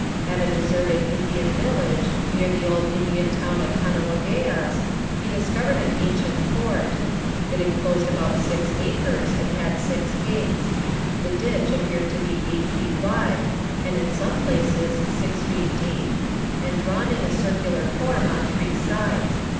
At a deserted Indian village, near the old Indian town of Kanawageas, he discovered an ancient fort. It enclosed about six acres, and had six gates. The ditch appeared to be eight feet wide, and in some places six feet deep, and drawn in a circular form on three sides.